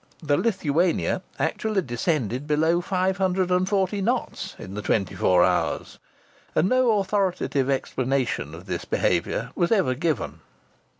The Lithuania actually descended below five hundred and forty knots in the twenty four hours. And no authoritative explanation of this behaviour was ever given.